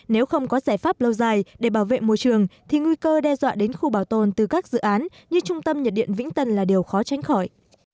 nếu không có giải pháp lâu dài để bảo vệ môi trường thì nguy cơ đe dọa đến khu bảo tồn từ các dự án như trung tâm nhiệt điện vĩnh tân là điều khó tránh khỏi